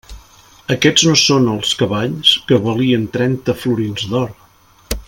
Aquests no són els cavalls que valien trenta florins d'or!